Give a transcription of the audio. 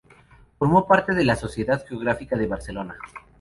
Formó parte de la Sociedad Geográfica de Barcelona.